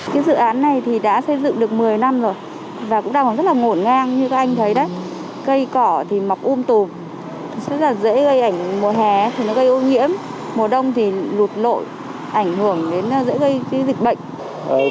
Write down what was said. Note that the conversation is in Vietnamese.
cái dự án này thì đã xây dựng được một mươi năm rồi và cũng đang còn rất là ngổn ngang như các anh thấy đấy cây cỏ thì mọc um tù rất là dễ gây ảnh mùa hè thì nó gây ô nhiễm mùa đông thì lụt lội ảnh hưởng đến dễ gây cái dịch bệnh